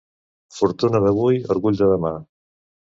Fortuna d'avui, orgull de demà.